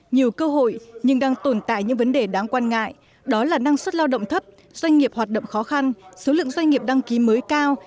nhiều cơ hội nhưng đang tồn tại những vấn đề đáng quan ngại đó là năng suất lao động thấp doanh nghiệp hoạt động khó khăn số lượng doanh nghiệp đăng ký mới cao